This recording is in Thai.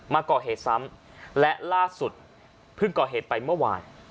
มาก่อเหตุซ้ำและล่าสุดเพิ่งก่อเหตุไปเมื่อวาน